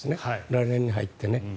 来年に入ってね。